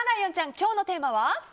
今日のテーマは？